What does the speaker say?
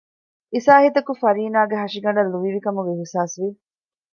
އިސާހިތަކު ފަރީނާގެ ހަށިގަނޑަށް ލުއިވިކަމުގެ އިޙްސާސްވި